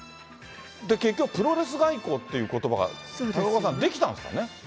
結局、プロレスが行こうっていうことばが高岡さん、できたんですからね。